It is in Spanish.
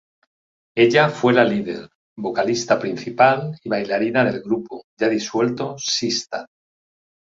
Ella fue la líder, vocalista principal y bailarina del grupo ya disuelto Sistar.